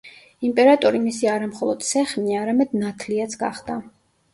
იმპერატორი მისი არამხოლოდ სეხნია, არამედ ნათლიაც გახდა.